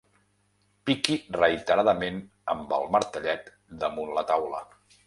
Piqui reiteradament amb el martellet damunt la taula.